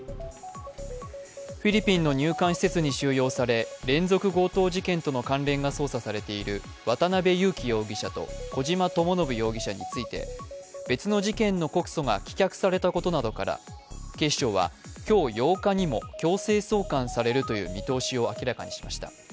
フィリピンの入管施設に収容され連続強盗事件との関連が関連が捜査されている渡辺優樹容疑者と小島智信容疑者について、別の事件の告訴が棄却されたことなどから警視庁は今日８日にも強制送還されるという見通しを明らかにしました。